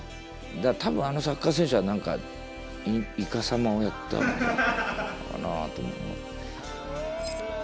だから多分あのサッカー選手は何かいかさまをやったのかなと。